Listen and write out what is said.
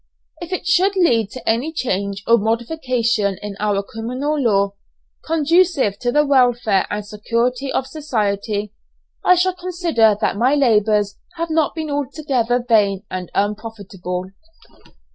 If it should lead to any change or modification in our criminal law, conducive to the welfare and security of society, I shall consider that my labours have not been altogether vain and unprofitable.